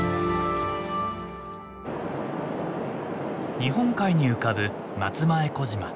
日本海に浮かぶ松前小島。